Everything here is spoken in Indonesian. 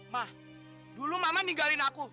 mah dulu mama ninggalin aku